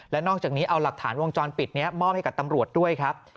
และนอกจากนี้เอาหลักฐานวงจรปิดนี้มอบให้กับตำรวจด้วยครับ